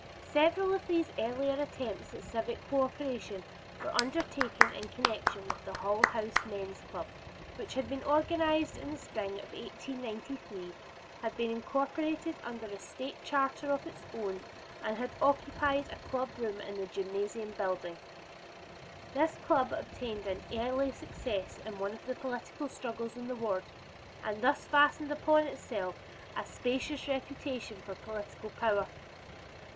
Several of these earlier attempts at civic cooperation were undertaken in connection with the Hull House Men's Club, which had been organized in the spring of 1893, had been incorporated under a State charter of its own, and had occupied a club room in the gymnasium building. This club obtained an early success in one of the political struggles in the ward and thus fastened upon itself a specious reputation for political power.